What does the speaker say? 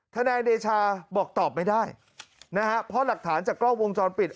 นายเดชาบอกตอบไม่ได้นะฮะเพราะหลักฐานจากกล้องวงจรปิด